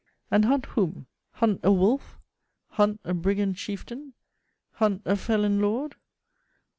And "hunt" whom? "Hunt" a wolf? "Hunt" a brigand chieftain? "Hunt" a felon lord?